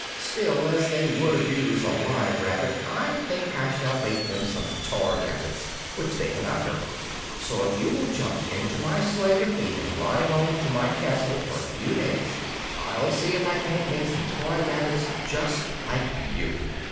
Still, as they would abuse a live rabbit I think I shall make them some toy rabbits, which they cannot hurt; so if you will jump into my sleigh with me and ride home to my castle for a few days, I'll see if I can't make some toy rabbits just like you.'